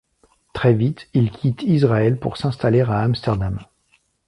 Très vite, ils quittent Israël pour s'installer à Amsterdam.